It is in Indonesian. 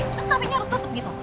terus cafe nya harus tutup gitu